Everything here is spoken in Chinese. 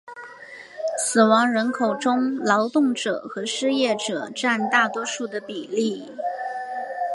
死亡人口中劳动者和失业者占大多数的比例。